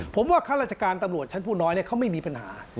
ผมว่าข้าราชการตำรวจชั้นผู้น้อยเขาไม่มีปัญหา